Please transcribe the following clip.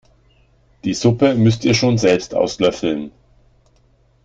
Die Suppe müsst ihr schon selbst auslöffeln!